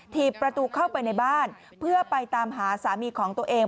ถีบประตูเข้าไปในบ้านเพื่อไปตามหาสามีของตัวเอง